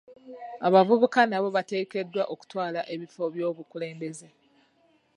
Abavubuka nabo bateekeddwa okutwala ebifo by'obukulembeze.